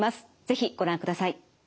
是非ご覧ください。